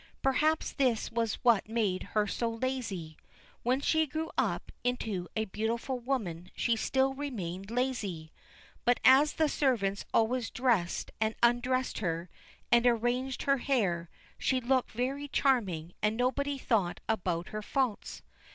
Perhaps this was what made her so lazy. When she grew up into a beautiful woman she still remained lazy; but as the servants always dressed and undressed her, and arranged her hair, she looked very charming, and nobody thought about her faults.